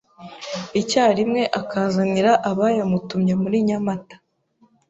icyarimwe akazanira abayamutumye muri Nyamata,